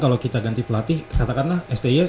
kalau kita ganti pelatih katakanlah sti